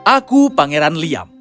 aku pangeran liam